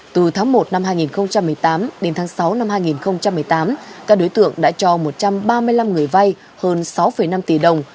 từ tháng một năm hai nghìn một mươi tám đến tháng sáu năm hai nghìn một mươi tám các đối tượng đã cho một trăm ba mươi năm người vay hơn sáu năm tỷ đồng